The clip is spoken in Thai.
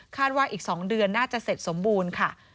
ว่าอีก๒เดือนน่าจะเสร็จสมบูรณ์ค่ะ